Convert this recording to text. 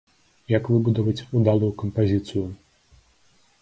Як выбудаваць удалую кампазіцыю?